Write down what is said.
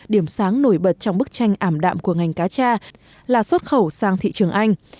điểm sáng nổi bật trong bức tranh ảm đạm của ngành cá cha là xuất khẩu sang thị trường anh